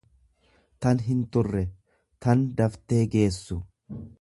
tan hinturre, tan dafteee geessu.